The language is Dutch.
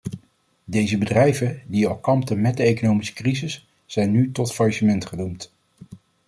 Deze bedrijven, die al kampten met de economische crisis, zijn nu tot faillissement gedoemd.